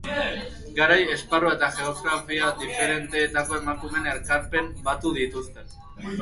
Garai, esparru eta geografia diferenteetako emakumeen ekarpenak batu dituzte.